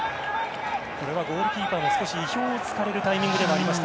これはゴールキーパーも意表を突かれるタイミングでした。